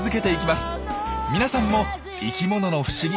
皆さんも生きものの不思議